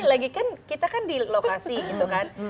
lagi kan kita kan di lokasi gitu kan